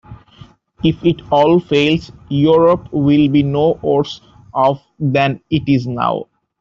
If it all fails, Europe will be no worse off than it is now.